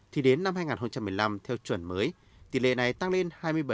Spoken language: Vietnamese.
thì đến năm hai nghìn một mươi năm theo chuẩn mới tỷ lệ này tăng lên hai mươi bảy